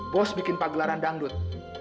bos bikin pagelaran dangdut